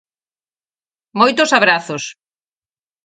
Moitos abrazos.